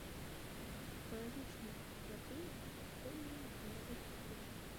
Паталагічная тахікардыя шкодная па некалькіх прычынах.